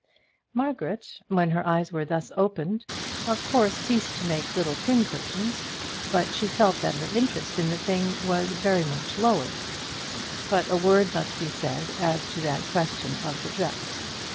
Margaret, when her eyes were thus opened, of course ceased to make little pincushions, but she felt that her interest in the thing was very much lowered. But a word must be said as to that question of the dress.